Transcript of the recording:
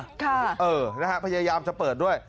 ค่ะเออนะฮะพยายามจะเปิดด้วย